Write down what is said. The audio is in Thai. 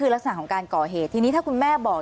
คือลักษณะของการก่อเหตุทีนี้ถ้าคุณแม่บอก